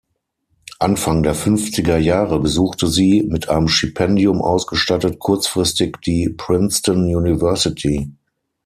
Anfang der fünfziger Jahre besuchte sie, mit einem Stipendium ausgestattet, kurzfristig die Princeton University.